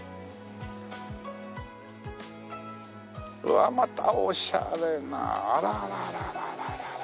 うわっまたおしゃれなあららら。